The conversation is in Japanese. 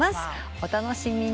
お楽しみに。